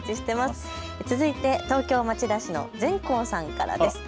続いて東京町田市のゼンコウさんからです。